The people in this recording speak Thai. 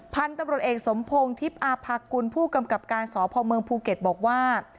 พันธุ์ตำรวจเอกสมพงศ์ทิพย์อาภากุลผู้กำกับการสพเมืองภูเก็ตบอกว่า